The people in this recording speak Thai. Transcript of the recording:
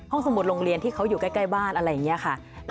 สมุดโรงเรียนที่เขาอยู่ใกล้บ้านอะไรอย่างนี้ค่ะ